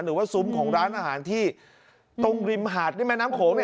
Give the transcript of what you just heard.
หรือว่าซุ้มของร้านอาหารที่ตรงริมหาดนี่แม่น้ำโขงนี่